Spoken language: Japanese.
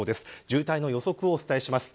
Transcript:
渋滞の予測をお伝えします。